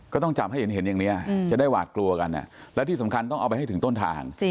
ก็ต้องจับให้เห็นอย่างนี้จะได้หวาดกลัวกันและที่สำคัญต้องเอาไปให้ถึงต้นทาง